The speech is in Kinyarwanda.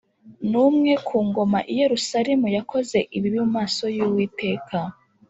n umwe ku ngoma i Yerusalemu Yakoze ibibi mu maso yuwiteka